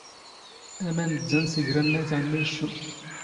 ⴰⵎⴰⵏ ⴷⴷⴰⵏ ⵙ ⵉⴳⵔⴰⵏ ⵏ ⴰⵢⵜ ⵄⵎⵎⵉ ⵉⵛⵛⵓ.